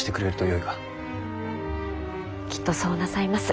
きっとそうなさいます。